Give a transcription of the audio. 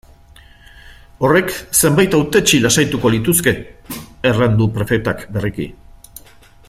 Horrek zenbait hautetsi lasaituko lituzke, erran du prefetak berriki.